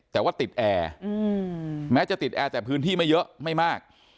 แต่ว่าติดแอร์แม้จะติดแอร์แต่พื้นที่ไม่เยอะไม่มาก